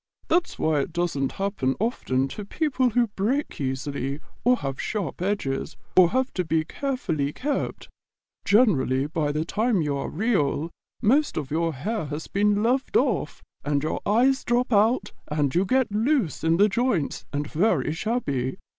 That's why it doesn't happen often to people who break easily, or have sharp edges, or who have to be carefully kept. Generally, by the time you are Real, most of your hair has been loved off, and your eyes drop out and you get loose in the joints and very shabby.